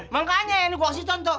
makanya ini gua kasih contoh